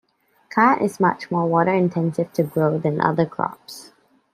Khat is much more water-intensive to grow than other crops.